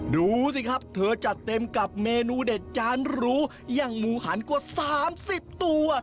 ดูสิครับเธอจัดเต็มกับเมนูเด็ดจานรู้อย่างหมูหันกว่า๓๐ตัว